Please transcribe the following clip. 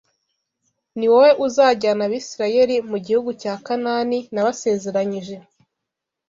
Ni wowe uzajyana Abisirayeli mu gihugu cya Kanaani nabasezeranyije